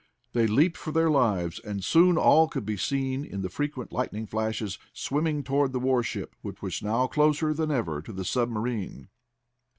They leaped for their lives, and soon all could be seen, in the frequent lightning flashes, swimming toward the warship which was now closer than ever to the submarine.